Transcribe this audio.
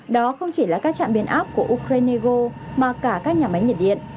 đó không chỉ là các trạm biến áp của ukraineo mà cả các nhà máy nhiệt điện